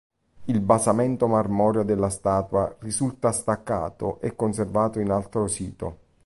Il basamento marmoreo della statua risulta staccato e conservato in altro sito.